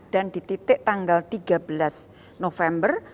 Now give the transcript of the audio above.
dan di titik tanggal tiga belas november